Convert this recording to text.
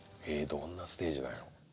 どんなステージなんやろ？